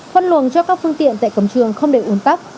phân luồng cho các phương tiện tại cầm trường không để uốn tắt